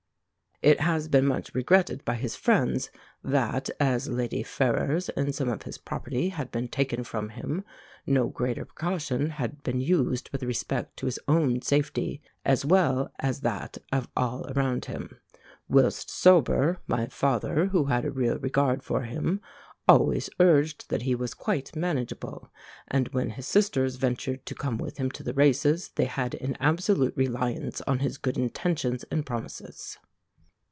"It has been much regretted by his friends that, as Lady Ferrers and some of his property had been taken from him, no greater precaution had been used with respect to his own safety as well as that of all around him. Whilst sober, my father, who had a real regard for him, always urged that he was quite manageable; and when his sisters ventured to come with him to the races, they had an absolute reliance on his good intentions and promises."